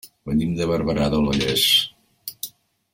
Venim de Barberà del Vallès.